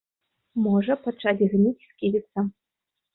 Можа пачаць гніць сківіца.